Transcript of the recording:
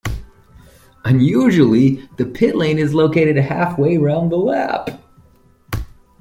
Unusually, the pit lane is located halfway round the lap.